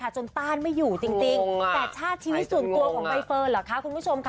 แล้วชีวิตส่วนตัวของใบเฟิร์นล่ะค่ะคุณผู้ชมค่ะ